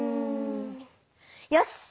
よし！